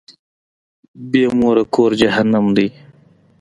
بی موره کور جهنم دی.